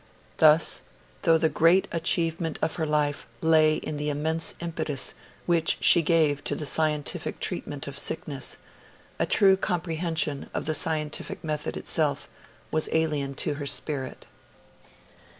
Thus, though the great achievement of her life lay in the immense impetus which she gave to the scientific treatment of sickness, a true comprehension of the scientific method itself was alien to her spirit.